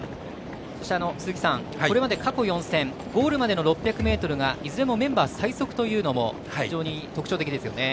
そして、これまで過去４戦ゴールまでの６００ｍがいずれもメンバー最速というのも非常に特徴的ですよね。